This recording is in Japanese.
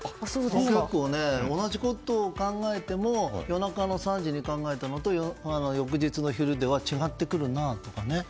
結構、同じことを考えても夜中の３時に考えても翌日の昼では違ってくるなとか。